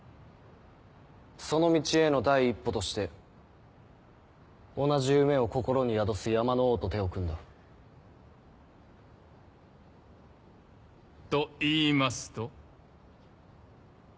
その道への第一歩として同じ夢を心に宿す山の王と手を組んだ。と言いますと？